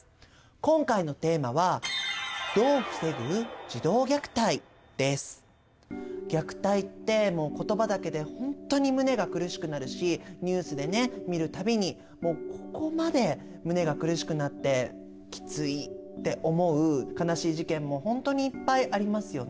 今回のテーマは虐待ってもう言葉だけで本当に胸が苦しくなるしニュースでね見る度にもうここまで胸が苦しくなってきついって思う悲しい事件も本当にいっぱいありますよね。